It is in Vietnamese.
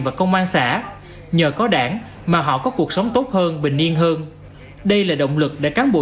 và công an xã nhờ có đảng mà họ có cuộc sống tốt hơn bình yên hơn đây là động lực để cán bộ